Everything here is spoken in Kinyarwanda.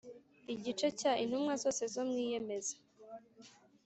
igice cya Intumwa zose zo mw Iyemeza